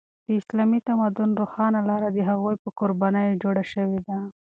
د اسلامي تمدن روښانه لاره د هغوی په قربانیو جوړه شوې ده.